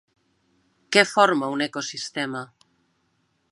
Què forma un ecosistema?